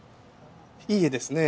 いい絵ですね。